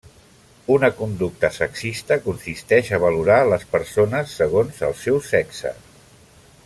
Una conducta sexista consisteix a valorar les persones segons el seu sexe.